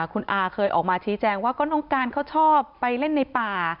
คุณอาเคยออกมาชี้แจงว่าก็น้องการเขาชอบไปเล่นในป่า